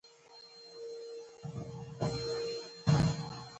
کاشکې ما هم زده کړه کړې وای.